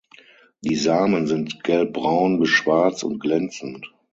Die Samen sind gelbbraun bis schwarz und glänzend.